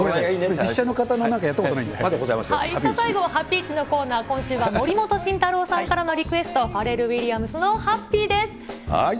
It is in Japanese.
実写の方、やったことないん最後はハピイチのコーナー、今週は森本慎太郎さんからのリクエスト、ファレル・ウィリアムスのＨａｐｐｙです。